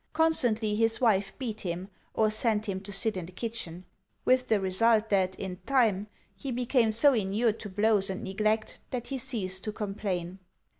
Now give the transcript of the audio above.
Constantly his wife beat him, or sent him to sit in the kitchen with the result that in time, he became so inured to blows and neglect, that he ceased to complain.